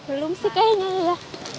belum sih kayaknya